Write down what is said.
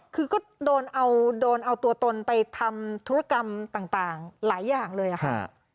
คือก็โดนเอาโดนเอาตัวตนไปทำธุรกรรมต่างหลายอย่างเลยค่ะ